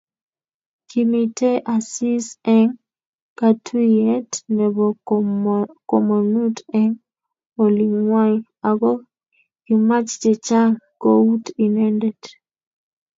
Kimitei Asisi eng katuiyet nebo komonut eng olingwai ako kimach chechang kouit inendet